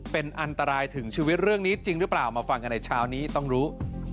เป็นอันตรายถึงชีวิตเรื่องนี้จริงหรือเปล่ามาฟังกันในเช้านี้ต้องรู้